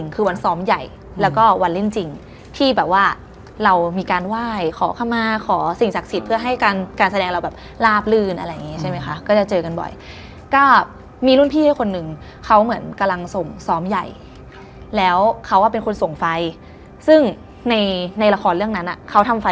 คือแบบเป็นคนเลยอ่ะพี่คือเหมือนคนเลยอ่ะอืม